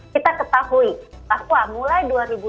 kita ketahui bahwa mulai dua ribu dua puluh